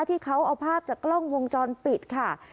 ที่เขาเอาภาพจากกล้องวงจรปิดค่ะ